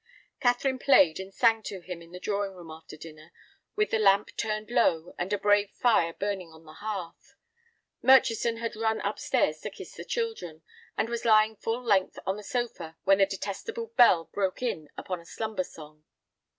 Catherine played and sang to him in the drawing room after dinner, with the lamp turned low and a brave fire burning on the hearth. Murchison had run up stairs to kiss his children, and was lying full length on the sofa when the "detestable bell" broke in upon a slumber song.